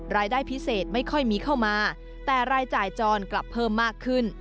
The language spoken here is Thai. รายได้พิเศษไม่ค่อยมีเข้ามาแต่รายจ่ายจรกลับเพิ่มมากขึ้น